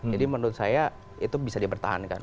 jadi menurut saya itu bisa dipertahankan